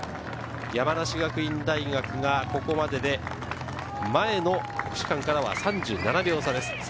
山梨学院大学がここまでで、前の国士舘からは３７秒差です。